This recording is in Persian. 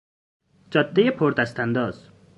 جادهی پردستانداز